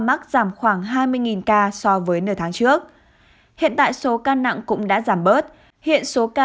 mắc giảm khoảng hai mươi ca so với nửa tháng trước hiện tại số ca nặng cũng đã giảm bớt hiện số ca